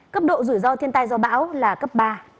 cấp độ rủi ro thiên tai do bão là cấp ba